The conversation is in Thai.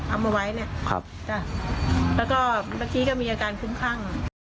เอามาไว้เนี่ยแล้วก็เมื่อกี้ก็มีอาการคุ้มครั่ง